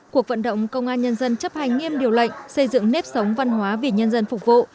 cuộc vận động công an nhân dân chấp hành nghiêm điều lệnh xây dựng nếp sống văn hóa vì nhân dân phục vụ